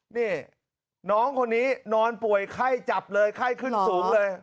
นี่น้องคนนี้นอนป่วยไข้จับเลยไข้ขึ้นสูงเลย